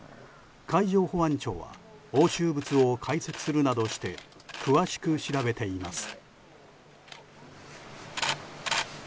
海上保安庁は押収物を解析するなどして詳しく調べています。